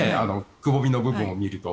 くぼみの部分を見ると。